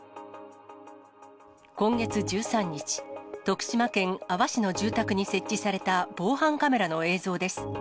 今月１３日、徳島県阿波市の住宅に設置された防犯カメラの映像です。